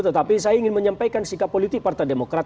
tetapi saya ingin menyampaikan sikap politik partai demokrat